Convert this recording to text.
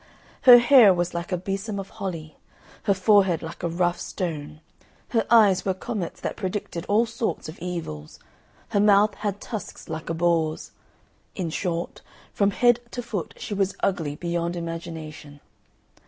Her hair was like a besom of holly; her forehead like a rough stone; her eyes were comets that predicted all sorts of evils; her mouth had tusks like a boar's in short, from head to foot she was ugly beyond imagination.